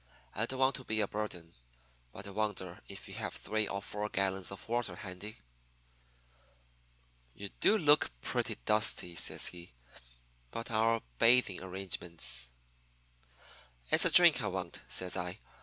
I don't want to be a burden, but I wonder if you have three or four gallons of water handy.' "'You do look pretty dusty,' says he; 'but our bathing arrangements ' "'It's a drink I want,' says I.